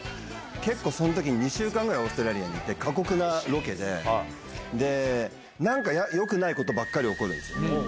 結構そのときに２週間ぐらい、オーストラリアにいて、過酷なロケで、で、なんかよくないことばっかり起こるんです。